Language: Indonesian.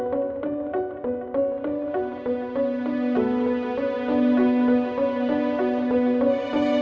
orang yang tadi siang dimakamin